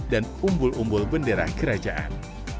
dan umbul umbul bendera kerajaan